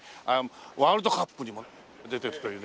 ワールドカップにも出てるというね